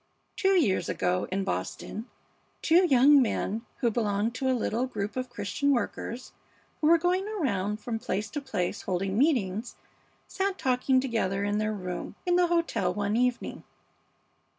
"Two years ago in Boston two young men, who belonged to a little group of Christian workers who were going around from place to place holding meetings, sat talking together in their room in the hotel one evening."